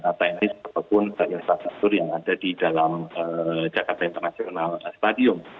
apa ini sebab pun infrastruktur yang ada di dalam jakarta international stadium